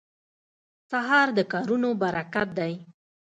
سهار د کارونو برکت دی.